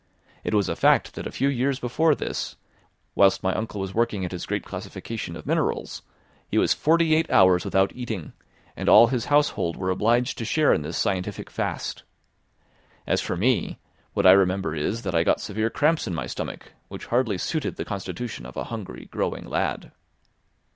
It was a fact that a few years before this, whilst my uncle was working at his great classification of minerals, he was forty eight hours without eating, and all his household were obliged to share in this scientific fast. As for me, what I remember is, that I got severe cramps in my stomach, which hardly suited the constitution of a hungry, growing lad.